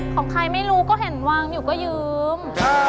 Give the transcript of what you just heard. ของใครไม่รู้ก็เห็นวางอยู่ก็ยืม